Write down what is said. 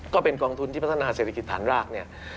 ก็เป็นกองทุนที่พัฒนาเศรษฐกิจฐานรากเนี่ย